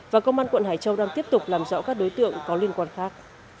và công an quận hải châu đang tiếp tục làm rõ các đối tượng có liên quan khác